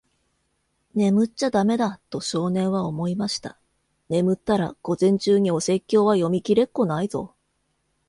「眠っちゃだめだ。」と、少年は思いました。「眠ったら、午前中にお説教は読みきれっこないぞ。」